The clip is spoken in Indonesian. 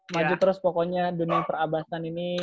maju terus pokoknya dunia perabasan ini